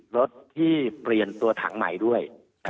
รถที่เปลี่ยนตัวถังใหม่ด้วย